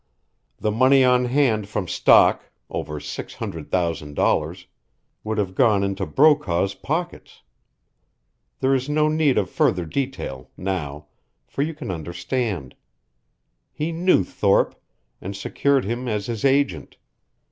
The money on hand from stock, over six hundred thousand dollars, would have gone into Brokaw's pockets. There is no need of further detail now for you can understand. He knew Thorpe, and secured him as his agent.